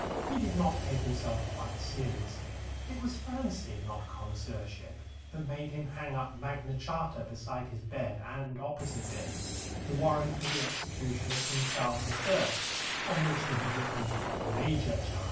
He did not take himself quite seriously. It was fancy, not connoisseurship, that made him hang up Magna Charta beside his bed and, opposite it, the warrant for the execution of King Charles I., on which he had written "Major Charta."